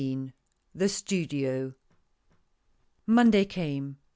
THE STUDIO. M onday came.